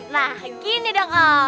nah gini dong om